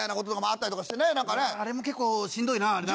あれも結構しんどいなあれな。